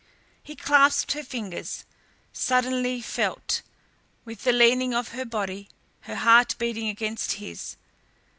He clasped her fingers suddenly felt, with the leaning of her body, her heart beating against his.